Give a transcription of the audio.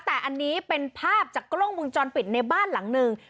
แต่อันนี้เป็นภาพจากกล้องมุมจรปิดในบ้านหลังหนึ่ง